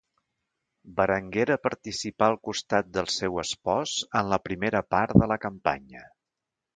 Berenguera participà al costat del seu espòs en la primera part de la campanya.